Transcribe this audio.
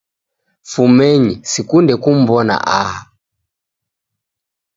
Fumenyi, sikunde kumw'ona aha